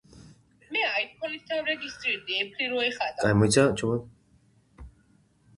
ეკლესია შემკულია ძველი ქართული წარწერებით.